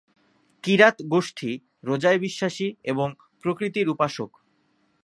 কিরাত গোষ্ঠী রোজায় বিশ্বাসী এবং প্রকৃতির উপাসক।